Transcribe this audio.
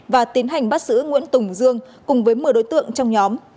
và tiến hành bắt giữ nguyễn tùng dương cùng với một mươi đối tượng trong nhóm